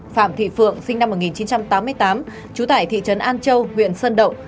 phạm thị phượng sinh năm một nghìn chín trăm tám mươi tám trú tại thị trấn an châu huyện sơn động